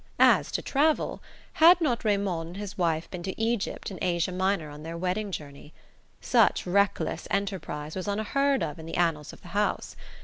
As to travel had not Raymond and his wife been to Egypt and Asia Minor on their wedding journey? Such reckless enterprise was unheard of in the annals of the house!